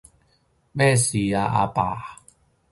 咩事啊，阿爸？